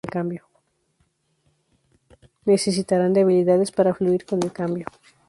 Necesitarán de habilidades para fluir con el cambio.